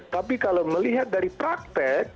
tapi kalau melihat dari praktek